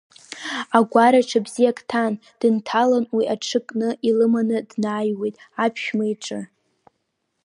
Агәара ҽы бзиак ҭан, дынҭалан, уи аҽы кны илыманы днаиуаит аԥшәма иҿы.